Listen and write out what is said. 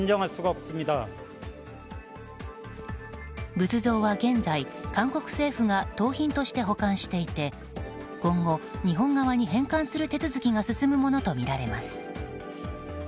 仏像は現在、韓国政府が盗品として保管していて今後、日本側に返還する手続きが進むものとみられます。